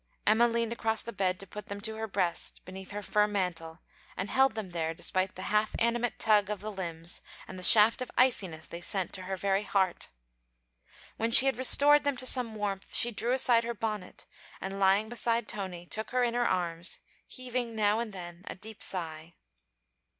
Emma leaned across the bed to put them to her breast, beneath her fur mantle, and held them there despite the half animate tug of the limbs and the shaft of iciness they sent to her very heart. When she had restored them to some warmth, she threw aside her bonnet and lying beside Tony, took her in her arms, heaving now and then a deep sigh.